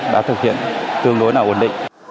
đã thực hiện tương đối là ổn định